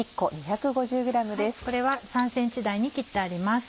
これは３ｃｍ大に切ってあります。